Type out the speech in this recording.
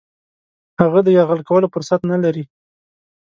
هغه د یرغل کولو فرصت نه لري.